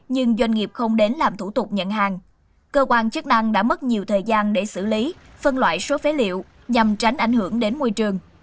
nhưng doanh nghiệp không đến làm thủ tục nhận hàng cơ quan chức năng đã mất nhiều thời gian để xử lý phân loại số phế liệu nhằm tránh ảnh hưởng đến môi trường